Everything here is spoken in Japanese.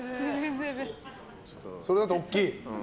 それだと大きい。